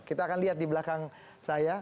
kita akan lihat di belakang saya